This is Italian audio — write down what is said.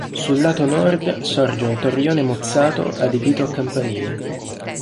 Sul lato nord sorge un torrione mozzato adibito a campanile.